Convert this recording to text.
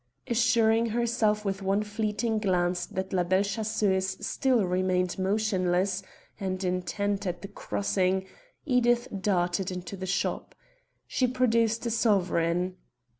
Assuring herself with one fleeting glance that La Belle Chasseuse still remained motionless and intent at the crossing, Edith darted into the shop. She produced a sovereign.